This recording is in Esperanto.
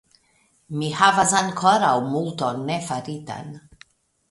Mi havas ankoraŭ multon nefaritan.